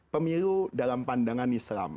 pemilu dalam pandangan islam